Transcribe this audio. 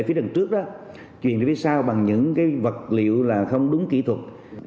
truyền điện trước đó truyền điện sau bằng những cái vật liệu là không đúng kỹ thuật